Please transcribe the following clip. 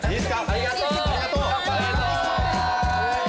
ありがとう乾杯！